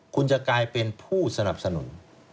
คุณจะกลายเป็นผู้สนับสนุน